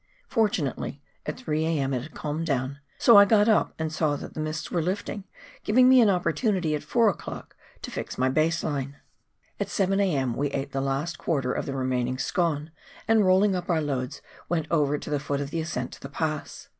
Fortunately at 3 a.m. it had calmed down, so I got up and saw that the mists were lifting, giving me an opportunity at four o'clock to fix my base line. At 7 a.m. we ate the o ■.■■ AW. ,\,"■^ V ■|^''^:ti TWAIN EIVER. 249 last quarter of tlie remaining scone, and rolling up our loads, went over to the foot of the ascent to the Pass.